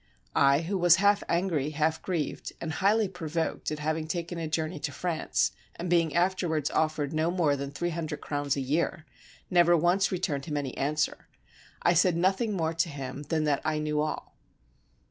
I, who was half angry, half grieved, and highly provoked at having taken a journey to France, and being afterwards offered no more than three hundreds crowns a year, never once returned him any answer: I said nothing more to him than that I knew all.